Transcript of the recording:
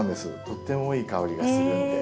とってもいい香りがするんで。